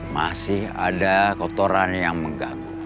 masih ada kotoran yang mengganggu